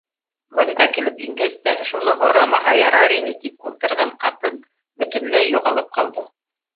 Бында килеп ингәс тә, шуны һорамаһа ярар ине тип ултырған ҡатын бөтөнләй юғалып ҡалды.